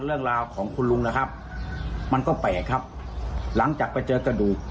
เรื่องราวของคุณลุงนะครับมันก็แปลกครับหลังจากไปเจอกระดูก